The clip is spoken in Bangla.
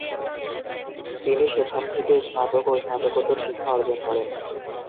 তিনি সেখান থেকে স্নাতক ও স্নাতকোত্তর শিক্ষা অর্জন করেন।